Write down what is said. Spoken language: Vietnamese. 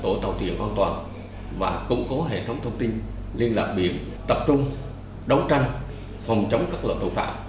bộ tàu thuyền hoàn toàn và cung cố hệ thống thông tin liên lạc biển tập trung đấu tranh phòng chống các loại tội phạm